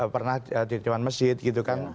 pernah di dewan masjid gitu kan